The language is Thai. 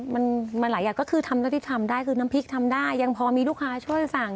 มันมันหลายอย่างก็คือทำแล้วที่ทำได้คือน้ำพริกทำได้ยังพอมีลูกค้าช่วยสั่ง